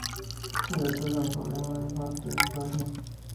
El otro gran problema, la falta de espacio.